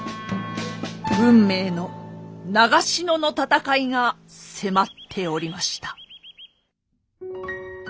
運命の長篠の戦いが迫っておりました。